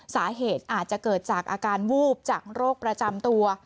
สาเหตุอาจจะเกิดจากอาการวูบจากโรคประจำตัว